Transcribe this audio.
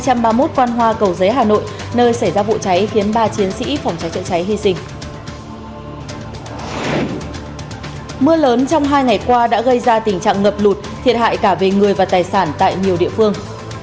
mưa lớn trong hai ngày qua đã gây ra tình trạng ngập lụt thiệt hại cả về người và tài sản tại nhiều địa phương